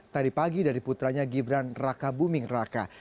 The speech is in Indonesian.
tadi pagi dari putranya gibran raka buming raka